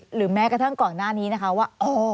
หรือแม้กระทั่งก่อนหน้านี้นะคะว่า